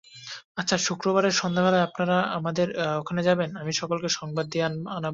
আচ্ছা, শুক্রবারের সন্ধ্যাবেলায় আপনারা আমাদের ওখানে যাবেন, আমি সকলকে সংবাদ দিয়ে আনাব।